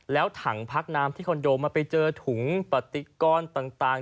แล้วถังพักน้ำที่คอนโดมันไปเจอถุงปฏิกรต่าง